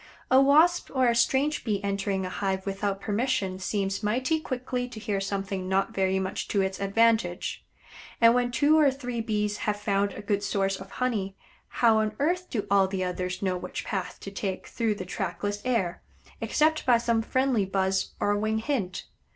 A Wasp or a strange Bee entering a hive without permission seems mighty quickly to hear something not very much to its advantage, and when two or three Bees have found a good source of honey, how on earth do all the others know which path to take through the trackless air, except by some friendly buzz or wing hint?